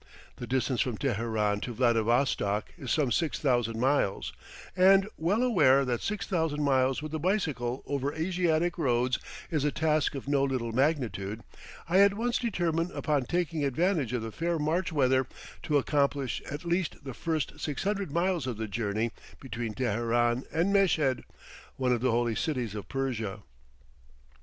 The distance from Teheran to Vladivostok is some six thousand miles, and, well aware that six thousand miles with a bicycle over Asiatic roads is a task of no little magnitude, I at once determine upon taking advantage of the fair March weather to accomplish at least the first six hundred miles of the journey between Teheran and Meshed, one of the holy cities of Persia.